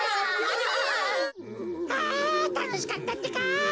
あたのしかったってか！